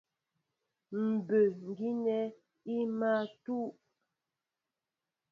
Mbə̌ gínɛ́ í mâ tʉ́.